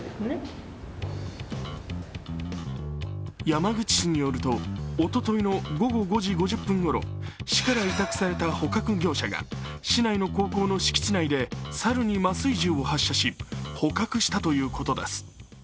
山口市によると、おとといの午後５時５０分ごろ市から委託された捕獲業者が市内の高校の敷地内で猿に麻酔銃を発射し捕獲したということです。